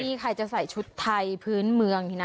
นี่ใครจะใส่ชุดไทยพื้นเมืองนี่นะ